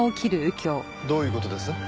どういう事です？